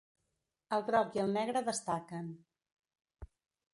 El groc i el negre destaquen.